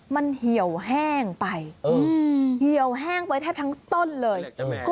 มันเหี่ยวแห้งไปเหี่ยวแห้งไปแทบทั้งต้นเลย